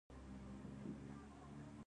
د ونو ریښې خاوره ساتي